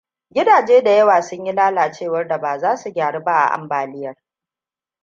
Gidaje da yawa sun yi lalacewar da ba za su gyaru ba a ambaliyar.